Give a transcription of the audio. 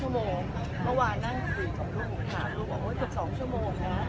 เมื่อวานนั่งคุยกับลูกถ่ายลูกบอกเกือบ๒ชั่วโมงนะ